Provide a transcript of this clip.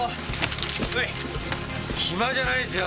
暇じゃないですよ！